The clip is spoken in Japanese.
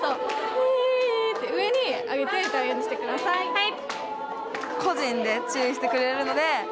はい！